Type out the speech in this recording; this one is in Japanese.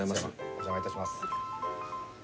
お邪魔いたします。